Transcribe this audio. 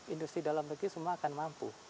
industri dalam negeri semua akan mampu